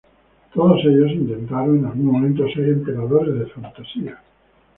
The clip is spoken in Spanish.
Todos ellos intentaron en algún momento ser Emperadores de Fantasia.